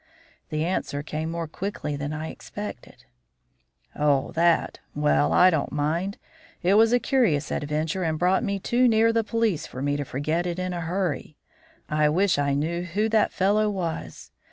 The answer came more quickly than I expected. "Oh, that? Well, I don't mind. It was a curious adventure and brought me too near the police for me to forget it in a hurry. I wish I knew who that fellow was.